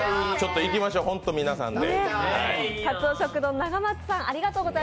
行きましょう、本当、皆さんで。